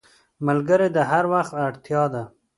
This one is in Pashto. ملګری د هر وخت اړتیا ده